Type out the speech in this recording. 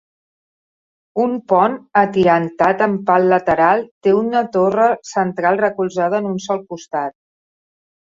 Un pont atirantat amb pal lateral té una torre central recolzada en un sol costat.